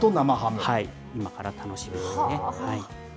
今から楽しみですね。